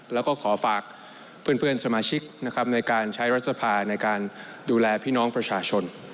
แล้วก็ขอฝากเพื่อนสมาชิกนะครับในการใช้รัฐสภาในการดูแลพี่น้องประชาชน